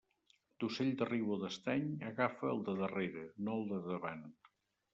D'ocell de riu o d'estany, agafa el de darrere, no el de davant.